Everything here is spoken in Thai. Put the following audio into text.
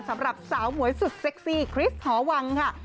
สำหรับสาวหมวยสุดเซ็กซี่คริสหอวังค่ะ